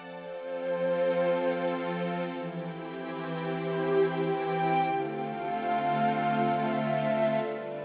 udah pergi nyokap masnya aja